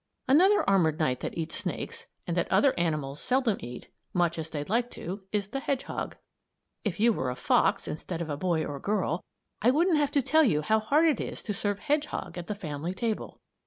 Another armored knight that eats snakes and that other animals seldom eat much as they'd like to is the hedgehog. If you were a fox, instead of a boy or girl, I wouldn't have to tell you about how hard it is to serve hedgehog at the family table.